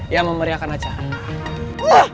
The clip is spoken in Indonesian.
yang memeriakan acara